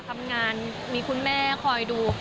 ทำงานมีคุณแม่คอยดู